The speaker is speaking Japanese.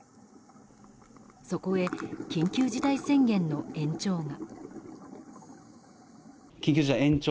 そこへ緊急事態宣言の延長が。